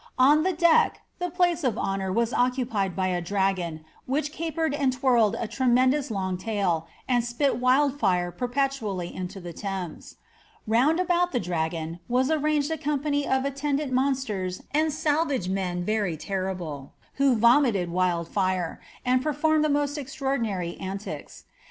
On the deck, the place of honour id by a dragon, which capered and twirled a tremendous long t wild fire perpetually into the Thames. Round about the arranged a company of attendant monsters and salvage men e, who vomited wild fire, and performed the most extmor cs.